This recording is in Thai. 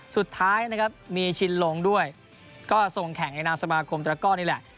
สุดท้ายนะครับมีชินลงด้วยก็ส่งแข่งในนามสมาคมตระก้อนี่แหละ